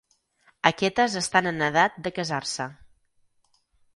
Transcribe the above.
Aquestes estan en edat de casar-se.